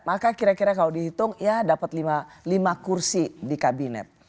maka kira kira kalau dihitung ya dapat lima kursi di kabinet